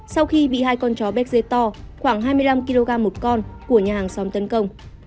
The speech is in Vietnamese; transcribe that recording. sau khi bị hai con chó bé to khoảng hai mươi năm kg một con của nhà hàng xóm tấn công